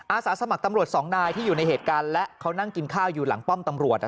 อาสาสมัครตำรวจสองนายที่อยู่ในเหตุการณ์และเขานั่งกินข้าวอยู่หลังป้อมตำรวจ